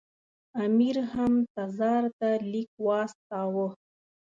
امیر هم تزار ته لیک واستاوه.